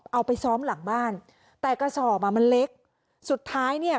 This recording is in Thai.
เอาไปซ้อมหลังบ้านแต่กระสอบอ่ะมันเล็กสุดท้ายเนี่ย